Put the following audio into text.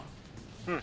うん。